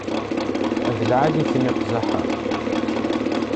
Ay d lεali-ten iqzaḥ-a!